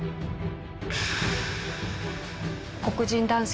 黒人男性